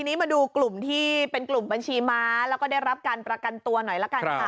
ทีนี้มาดูกลุ่มที่เป็นกลุ่มบัญชีม้าแล้วก็ได้รับการประกันตัวหน่อยละกันค่ะ